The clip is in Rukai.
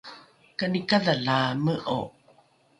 kani kadhalaame’o?